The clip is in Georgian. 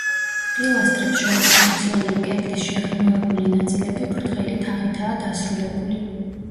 პილასტრებს შორის მოქცეული კედლის შეღრმავებული ნაწილები ბრტყელი თაღითაა დასრულებული.